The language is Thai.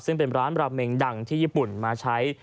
ซึ่งเป็นร้านราเมงดังที่ญี่ปุ่นมาใช้